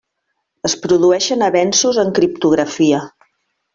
Es produeixen avenços en criptografia.